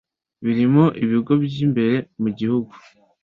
barimo ibigo by’imbere mu gihugu